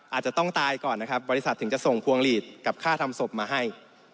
อาจจะต้องตายก่อนนะครับบริษัทถึงจะส่งพวงหลีดกับค่าทำศพมาให้